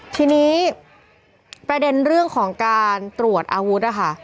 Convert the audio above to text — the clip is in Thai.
ทีนี้ประเด็นเรื่องของการตรวจอาวุธนะคะ